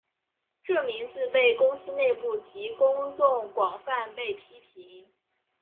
这名字被公司内部及公众广泛被批评。